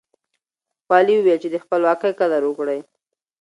والي وويل چې د خپلواکۍ قدر وکړئ.